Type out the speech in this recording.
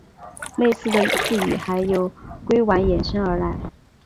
类似的术语还有硅烷衍生而来。